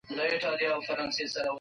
خلک د خوراک وروسته حرکت کوي.